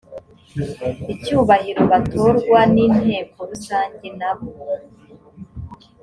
icyubahiro batorwa n inteko rusange nabo